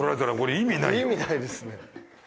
意味ないですね。